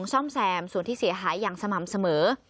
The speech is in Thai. ซ่อมแซมส่วนที่เสียหายอย่างสม่ำเสมอ